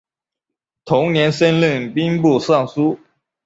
同年升任兵部尚书。